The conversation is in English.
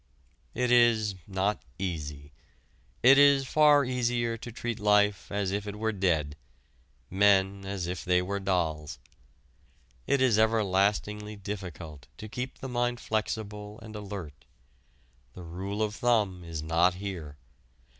It is not easy. It is far easier to treat life as if it were dead, men as if they were dolls. It is everlastingly difficult to keep the mind flexible and alert. The rule of thumb is not here.